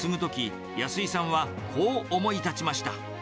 跡を継ぐとき、安井さんは、こう思い立ちました。